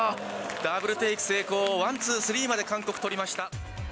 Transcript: ダブルテイク成功、１、２、３まで韓国、取りました。